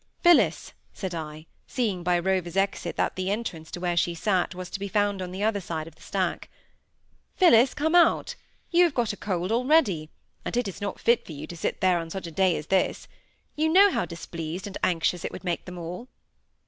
"Phillis!" said I, seeing by Rover's exit that the entrance to where she sate was to be found on the other side of the stack. "Phillis, come out! You have got a cold already; and it is not fit for you to sit there on such a day as this. You know how displeased and anxious it would make them all."